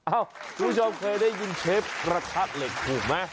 คุณผู้ชมเคยได้ยินเชฟกระทะเหล็กถูกไหม